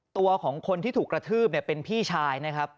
ตัวของคนที่ถูกกระทืบเป็นพี่ชายนะครับ